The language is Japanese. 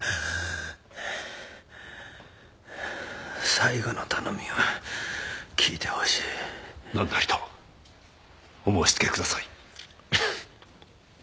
最後の頼みを聞いてほしい何なりとお申し付けください